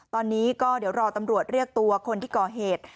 ตอนนี้ก็เดี๋ยวรอตำรวจเรียกตัวคนที่ก่อเหตุ